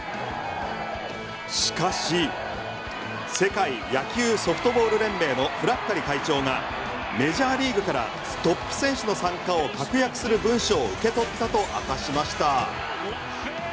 しかし世界野球ソフトボール連盟のフラッカリ会長がメジャーリーグからトップ選手の参加を確約する文書を受け取ったと明かしました。